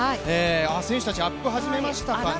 選手たちがアップ始めましたかね？